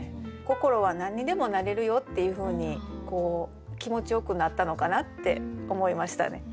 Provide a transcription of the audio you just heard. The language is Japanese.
心は何にでもなれるよっていうふうに気持ちよくなったのかなって思いましたね。